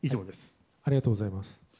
ありがとうございます。